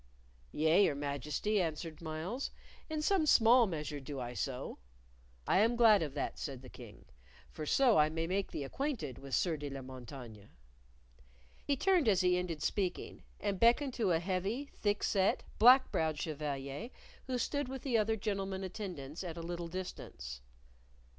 "Yea, your Majesty," answered Myles. "In some small measure do I so." "I am glad of that," said the King; "for so I may make thee acquainted with Sieur de la Montaigne." He turned as he ended speaking, and beckoned to a heavy, thick set, black browed chevalier who stood with the other gentlemen attendants at a little distance.